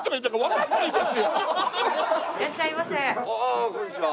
ああこんにちは。